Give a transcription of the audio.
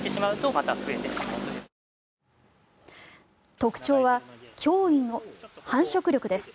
特徴は驚異の繁殖力です。